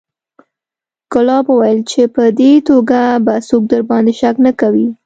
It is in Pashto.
ګلاب وويل چې په دې توګه به څوک درباندې شک نه کوي.